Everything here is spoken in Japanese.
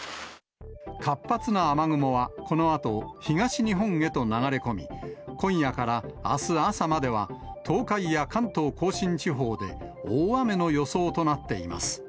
活発な雨雲はこのあと東日本へと流れ込み、今夜からあす朝までは、東海や関東甲信地方で大雨の予想となっています。